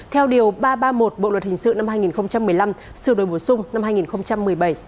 theo điều ba trăm ba mươi một bộ luật hình sự năm hai nghìn một mươi năm sửa đổi bổ sung năm hai nghìn một mươi bảy